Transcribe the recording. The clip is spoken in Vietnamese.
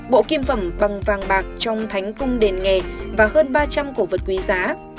bộ kim phẩm bằng vàng bạc trong thánh cung đền nghề và hơn ba trăm linh cổ vật quý giá